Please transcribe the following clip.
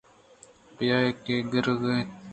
بیائے کہ گُرک اتک